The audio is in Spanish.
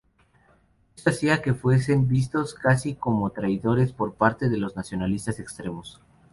Esto hacía que fuesen vistos casi como traidores por parte de los nacionalistas extremos.